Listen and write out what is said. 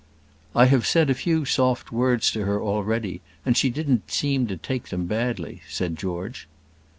"I have said a few soft words to her already, and she didn't seem to take them badly," said George.